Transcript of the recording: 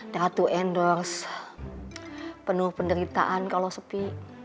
datu endorse penuh penderitaan kalau sepi